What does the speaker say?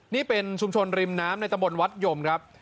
นี่เป็นชุมชนริมน้ำในตะบนวัดยมครับ